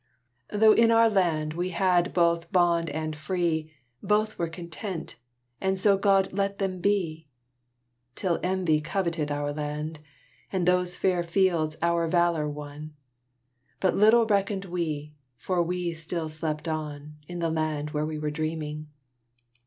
Though in our land we had both bond and free, Both were content; and so God let them be; Till envy coveted our land, And those fair fields our valor won; But little recked we, for we still slept on, In the land where we were dreaming.